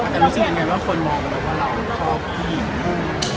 เหนื่อยเองเนอะทำให้แบบมันต้าวเชื่อ